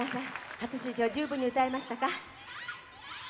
初出場、十分に歌えましたか？